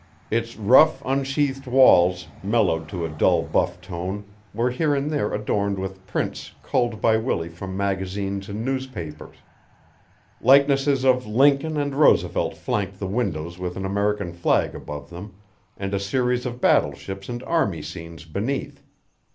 Its rough, unsheathed walls, mellowed to a dull buff tone, were here and there adorned with prints culled by Willie from magazines and newspapers. Likenesses of Lincoln and Roosevelt flanked the windows with an American flag above them, and a series of battleships and army scenes beneath.